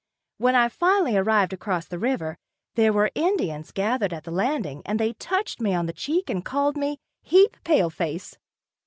When I finally arrived across the river, there were Indians gathered at the landing and they touched me on the cheek and called me "heap pale face."